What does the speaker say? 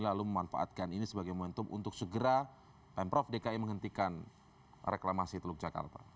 lalu memanfaatkan ini sebagai momentum untuk segera pemprov dki menghentikan reklamasi teluk jakarta